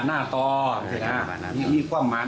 น้ำม่าน